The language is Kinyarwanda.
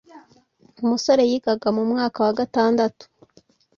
Umusore yigaga mu mwaka wa gatandatu